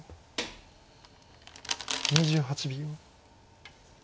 ２８秒。